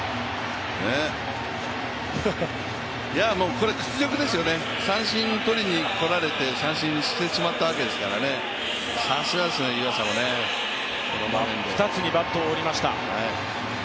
これ屈辱ですよね、三振とりにこられて三振にしてしまったわけですからね、さすがですね湯浅もね、この場面で真っ二つにバットを折りました。